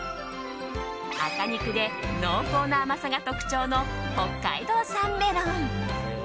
赤肉で濃厚な甘さが特徴の北海道産メロン。